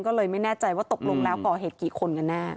ก็เลยไม่แน่ใจว่าตกลงแล้วก่อเหตุกี่คนกันแน่